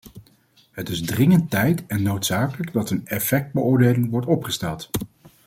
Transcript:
Het is dringend tijd en noodzakelijk dat een effectbeoordeling wordt opgesteld.